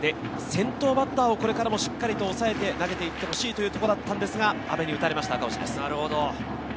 先頭バッターをこれからもしっかりと抑えて投げていってほしいというところだったんですが、阿部に打たれた赤星です。